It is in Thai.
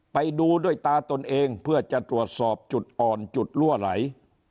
ไปดูด้วยตาตนเองเพื่อจะตรวจสอบจุดอ่อนจุดรั่วไหล